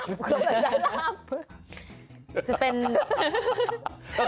ก็ไปกินลาบ